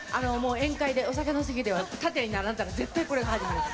宴会でお酒の席では縦に並んだら絶対これが始まる。